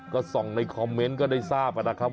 ก็ส่องในคอมเมนต์ก็ได้ทราบนะครับ